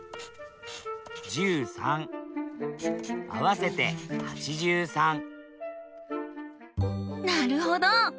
合わせて８３なるほど！